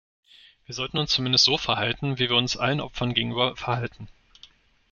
Wir sollten uns zumindest so verhalten, wie wir uns allen Opfern gegenüber verhalten.